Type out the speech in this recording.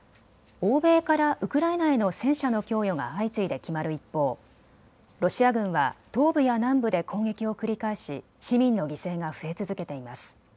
欧米からウクライナへの戦車の供与が相次いで決まる一方、ロシア軍は東部や南部で攻撃を繰り返し市民の犠牲が増え続けています。